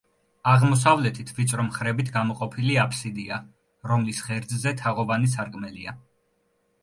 აღმოსავლეთით ვიწრო მხრებით გამოყოფილი აფსიდია, რომლის ღერძზე თაღოვანი სარკმელია.